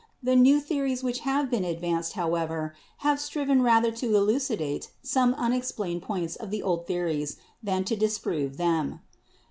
The new theories which have been ad vanced, however, have striven rather to elucidate some unexplained points of the old theories than to disprove them.